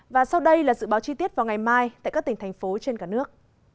và sau đây là dự báo chi tiết vào ngày mai tại các tỉnh thành phố trên cả nước